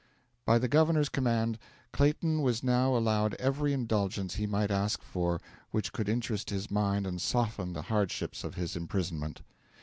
By the governor's command, Clayton was now allowed every indulgence he might ask for which could interest his mind and soften the hardships of his imprisonment.